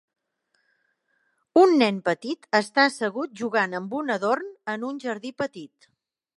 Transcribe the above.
Un nen petit està assegut jugant amb un adorn en un jardí petit.